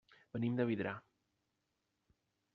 Venim de Vidrà.